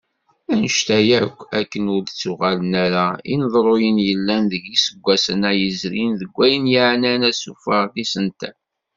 Annect-a yakk, akken ur d-ttuɣalen ara yineḍruyen yellan deg yiseggasen-a yezrin, d wayen yeɛnan asuffeɣ n yisental.